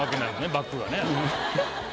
バッグがね。